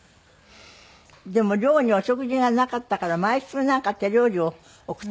でも寮にお食事がなかったから毎週なんか手料理を送っていらしたんですって？